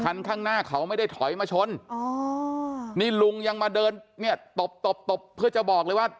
ข้างหน้าเขาไม่ได้ถอยมาชนอ๋อนี่ลุงยังมาเดินเนี่ยตบตบตบเพื่อจะบอกเลยว่า